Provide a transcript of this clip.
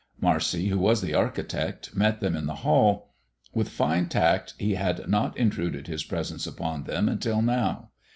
Marcy, who was the architect, met them in the hall. With fine tact, he had not intruded his presence upon them until now.